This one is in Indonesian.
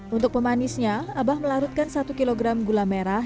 untuk pemanisnya abah melarutkan satu kg gula merah